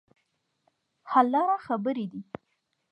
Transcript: حل لاره خبرې دي.